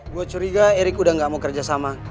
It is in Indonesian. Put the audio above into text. gue curiga erick udah gak mau kerja sama